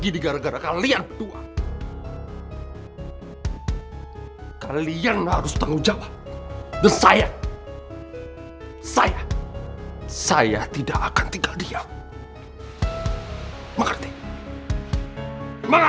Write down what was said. dokter spesialis mata